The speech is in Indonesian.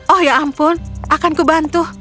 oh ya ampun akanku bantu